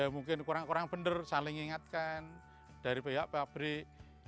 mungkin kurang kurang benar saling ingatkan dari banyak pabrik